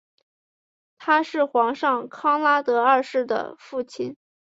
他是皇帝康拉德二世的父亲。